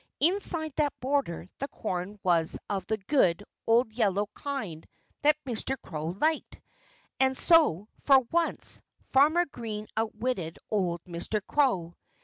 Inside that border the corn was of the good, old yellow kind that Mr. Crow liked. And so, for once, Farmer Green out witted old Mr. Crow.